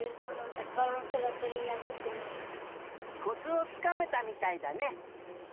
コツをつかめたみたいだね。